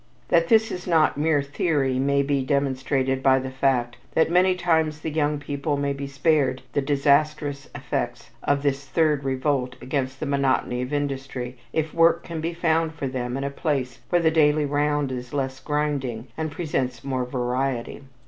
That this is not mere theory may be demonstrated by the fact that many times the young people may be spared the disastrous effects of this third revolt against the monotony of industry if work can be found for them in a place where the daily round is less grinding and presents more variety.